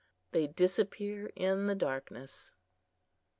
They disappear in the darkness.